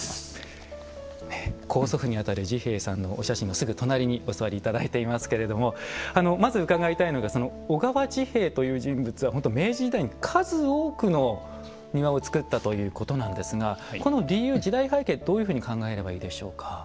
高祖父に当たる治兵衛さんのお写真のすぐ隣にお座りいただいてますけれどもまず伺いたいのが小川治兵衛という人物は明治時代に数多くの庭を造ったということなんですがこの理由時代背景、どういうふうに考えればいいでしょうか。